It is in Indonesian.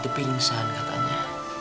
kau jangan sentuh ma